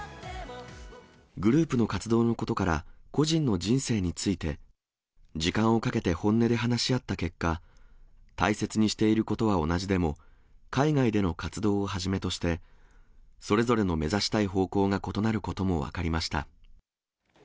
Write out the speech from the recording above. グループの活動のことから、個人の人生について、時間をかけて本音で話し合った結果、大切にしていることは同じでも、海外での活動をはじめとして、それぞれの目指したい方向が異なることも分かりました。